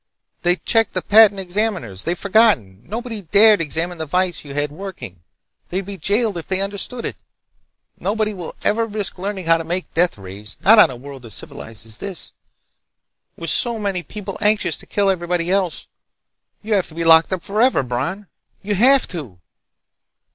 They checked the patent examiners. They've forgotten. Nobody dared examine the device you had working. They'd be jailed if they understood it! Nobody will ever risk learning how to make deathrays—not on a world as civilized as this, with so many people anxious to kill everybody else. You have to be locked up forever, Bron. You have to!"